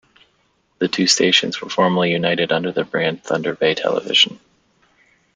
The two stations were formerly united under the brand Thunder Bay Television.